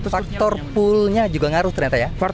faktor poolnya juga ngaruh ternyata ya